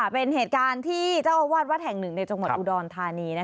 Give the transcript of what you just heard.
เป็นเหตุการณ์ที่เจ้าอาวาสวัดแห่งหนึ่งในจังหวัดอุดรธานี